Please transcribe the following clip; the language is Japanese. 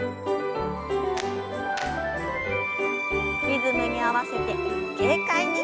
リズムに合わせて軽快に。